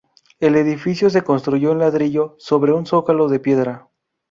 El edificio se construyó en ladrillo, sobre un zócalo de piedra.